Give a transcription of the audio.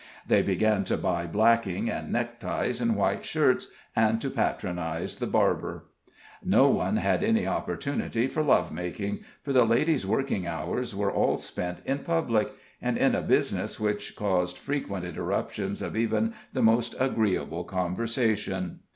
They began to buy blacking and neckties and white shirts, and to patronize the barber. No one had any opportunity for love making, for the lady's working hours were all spent in public, and in a business which caused frequent interruptions of even the most agreeable conversation.